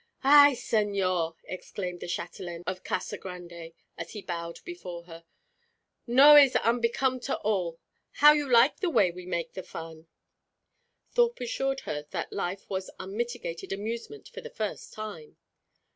"Ay, señor!" exclaimed the châtelaine of Casa Grande, as he bowed before her. "No is unbecome at all. How you like the way we make the fun?" Thorpe assured her that life was unmitigated amusement for the first time.